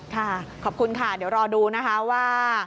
ค่ะขอบคุณค่ะเดี๋ยวรอดูนะคะว่า